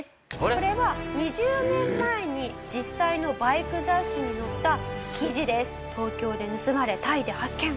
これは２０年前に実際のバイク雑誌に載った記事です。